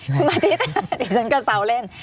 ใช่คุณมานี่เดี๋ยวฉันกระเศร้าเล่น